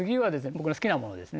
僕の好きなものをですね